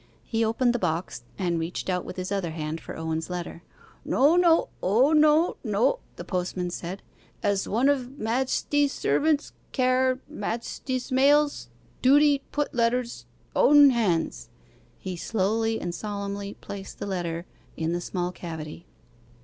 He opened the box and reached out with his other hand for Owen's letter. 'No, no. O no no,' the postman said. 'As one of Majesty's servants care Majesty's mails duty put letters own hands.' He slowly and solemnly placed the letter in the small cavity.